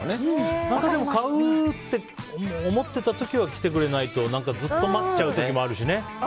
でも、買うって思った時は来てくれないとずっと待っちゃう時もあるしね。